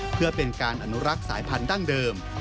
เพื่อเป็นการอนุรักษ์สายพันธั้งเดิม